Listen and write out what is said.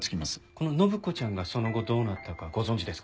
この展子ちゃんがその後どうなったかご存じですか？